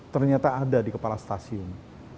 ternyata ada di kepala stasiun